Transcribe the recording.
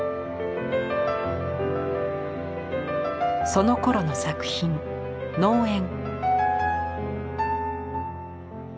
そのころの作品「農園」。